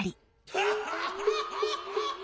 「ハハハハ」。